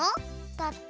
だって。